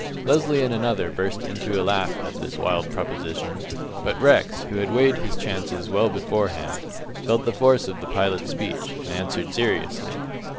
Lesly and another burst into a laugh at this wild proposition, but Rex, who had weighed his chances well beforehand, felt the force of the pilot's speech, and answered seriously.